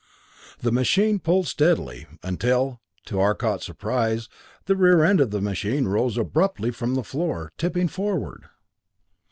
The machine pulled steadily, until, to Arcot's surprise, the rear end of the machine rose abruptly from the floor, tipping forward.